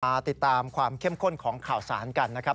ติดตามความเข้มข้นของข่าวสารกันนะครับ